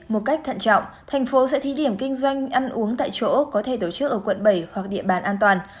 một cách thận trọng thành phố sẽ thí điểm kinh doanh ăn uống tại chỗ có thể tổ chức ở quận bảy hoặc địa bàn an toàn